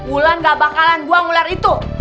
bulan gak bakalan buang ular itu